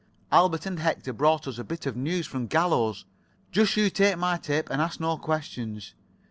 Albert and Hector brought us a bit of news from Gallows. Just you take my tip and ask no questions.